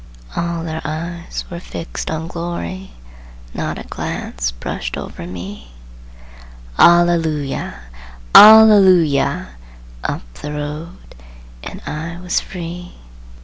All their eyes were fixed on Glory, Not a glance brushed over me; "Alleluia! Alleluia!" Up the road, and I was free.